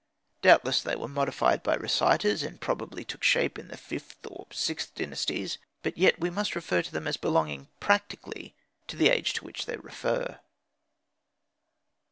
Doubtless they were modified by reciters, and probably took shape in the Vth or VIth Dynasties; but yet we must regard them as belonging practically to the age to which they refer.